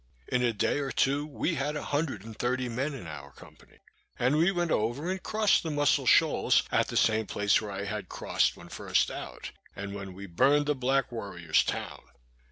In a day or two, we had a hundred and thirty men in our company; and we went over and crossed the Muscle Shoals at the same place where I had crossed when first out, and when we burned the Black Warriors' town.